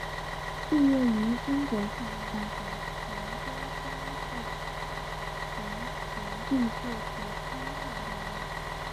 毕业于中国矿业大学研究生部煤田地质及勘探专业。